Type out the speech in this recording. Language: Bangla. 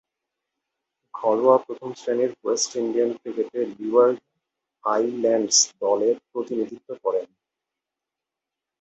ঘরোয়া প্রথম-শ্রেণীর ওয়েস্ট ইন্ডিয়ান ক্রিকেটে লিওয়ার্ড আইল্যান্ডস দলের প্রতিনিধিত্ব করেন।